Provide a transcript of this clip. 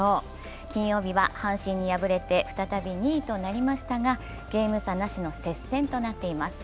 金曜日は阪神に敗れて再び２位となりましたが、ゲーム差なしの接戦となっています。